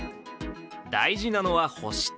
大事なのは保湿。